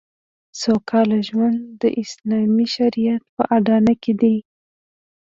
سوکاله ژوند د اسلامي شریعت په اډانه کې دی